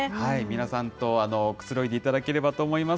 皆さんとくつろいでいただければと思います。